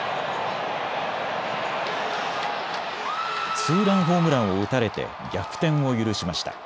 ツーランホームランを打たれて逆転を許しました。